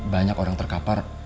banyak orang terkapar